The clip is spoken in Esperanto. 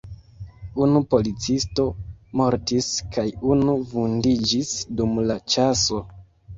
Unu policisto mortis kaj unu vundiĝis dum la ĉaso.